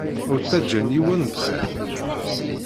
Ur ttaǧǧan yiwen bxir.